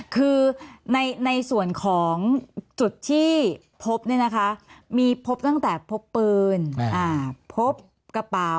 คือในส่วนของจุดที่พบเนี่ยนะคะมีพบตั้งแต่พบปืนพบกระเป๋า